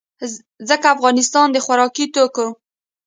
ځکه افغانستان د خوراکي توکو